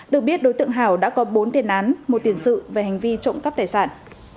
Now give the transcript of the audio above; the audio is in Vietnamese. được biết đối tượng hảo đã có bốn tiền án một tiền sự về hành vi trộm cắp tài sản